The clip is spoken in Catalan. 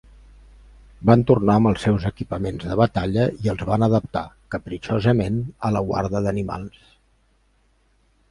Van tornar amb els seus equipaments de batalla i els van adaptar, capritxosament, a la guarda d'animals.